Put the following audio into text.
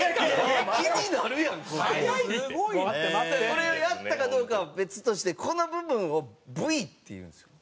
これをやったかどうかは別としてこの部分を「Ｖ」っていうんですよ。